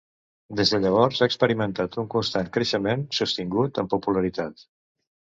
Des de llavors ha experimentat un constant creixement sostingut en popularitat.